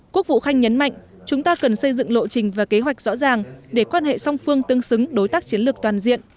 quốc vụ khanh nhấn mạnh chúng ta cần xây dựng lộ trình và kế hoạch rõ ràng để quan hệ song phương tương xứng đối tác chiến lược toàn diện